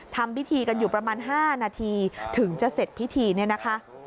ทำพิธีกันอยู่ประมาณ๕นาทีถึงจะเสร็จพิธีเนี่ยนะคะ